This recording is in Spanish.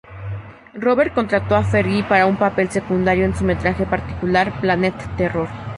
Robert contrató a Fergie para un papel secundario en su metraje particular; Planet Terror.